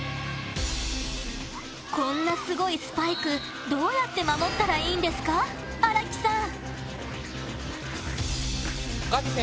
こんなすごいスパイクどうやったて守ったらいいんですか荒木さん。